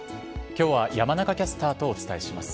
きょうは山中キャスターとお伝えします。